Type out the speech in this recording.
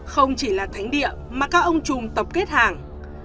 không chỉ là thánh địa mà các ông chùm tập kết hàng